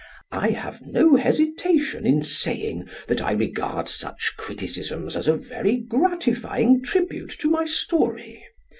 I have no hesitation in saying that I regard such criticisms as a very gratifying tribute to my story.